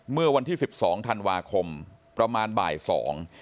เมื่อวันที่สิบสองธันวาคมประมาณบ่ายสอง